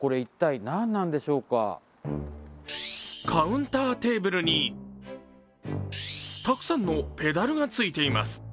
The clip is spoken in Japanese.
カウンターテーブルにたくさんのペダルがついています。